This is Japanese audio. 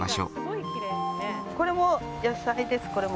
これも野菜です。